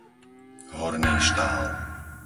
Horný Štál